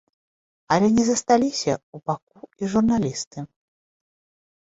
Але не засталіся ў баку і журналісты.